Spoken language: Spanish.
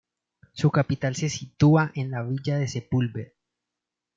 Su capital se sitúa en la villa de Sepúlveda.